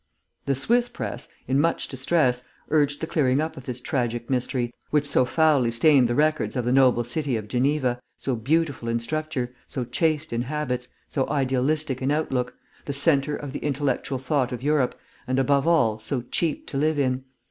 The Swiss press, in much distress, urged the clearing up of this tragic mystery, which so foully stained the records of the noble city of Geneva, so beautiful in structure, so chaste in habits, so idealistic in outlook, the centre of the intellectual thought of Europe, and, above all, so cheap to live in.